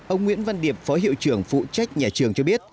ông nguyễn văn điệp phó hiệu trưởng phụ trách nhà trường cho biết